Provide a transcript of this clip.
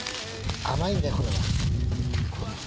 甘いんだよ、これは。